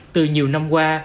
từ nhiều năm qua